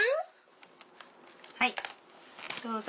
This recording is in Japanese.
はいどうぞ。